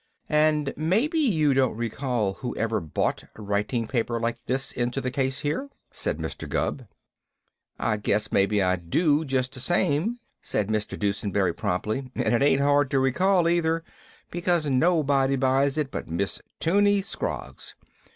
"And maybe you don't recall who ever bought writing paper like this into the case here?" said Mr. Gubb. "I guess maybe I do, just the same," said Mr. Dusenberry promptly. "And it ain't hard to recall, either, because nobody buys it but Miss 'Tunie Scroggs.